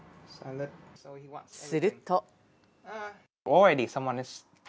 すると。